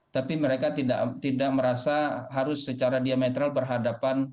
tapi mereka tidak merasa harus secara diametral berhadapan